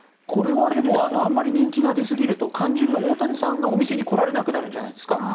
これはでもあんまり人気が出すぎると肝心の大谷さんがお店に来られなくなるんじゃないですか？